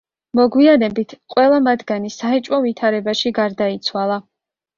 მოგვიანებით, ყველა მათგანი საეჭვო ვითარებაში გარდაიცვალა.